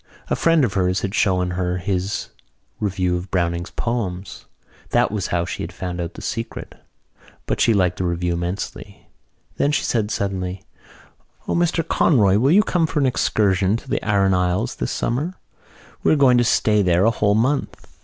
A friend of hers had shown her his review of Browning's poems. That was how she had found out the secret: but she liked the review immensely. Then she said suddenly: "O, Mr Conroy, will you come for an excursion to the Aran Isles this summer? We're going to stay there a whole month.